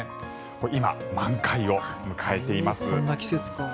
今、満開を迎えています。